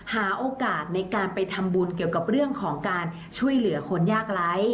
หาโอกาสในการไปทำบุญเกี่ยวกับเรื่องของการช่วยเหลือคนยากไร้